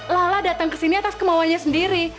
lala datang ke sini adalah karena